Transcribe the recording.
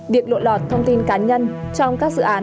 việc lộ lọt thông tin cá nhân trong các dự án